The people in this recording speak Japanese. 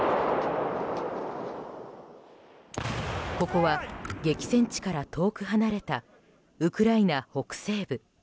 ここは激戦地から遠く離れたウクライナ北西部。